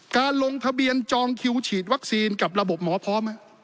ลงทะเบียนจองคิวฉีดวัคซีนกับระบบหมอพร้อม